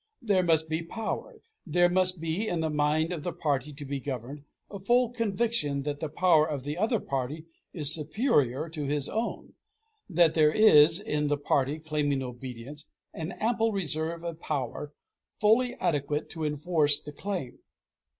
There must be power. There must be, in the mind of the party to be governed, a full conviction that the power of the other party is superior to his own that there is, in the party claiming obedience, an ample reserve of power fully adequate to enforce the claim.